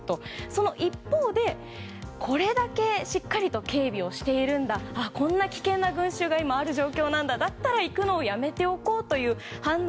その一方で、これだけしっかりと警備をしているんだこんな危険な群衆が今ある状況なんだだったら行くのをやめておこうという判断